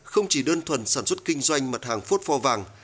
không chỉ đơn thuần sản xuất kinh doanh mật hàng phốt pho vàng